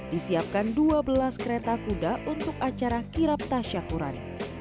disiapkan dua belas kereta kuda untuk acara kirap tasyakuran